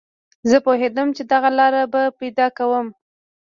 زه پوهېدم چې دغه لاره به پیدا کوم